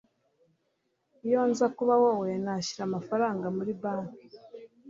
iyo nza kuba wowe, nashyira amafaranga muri banki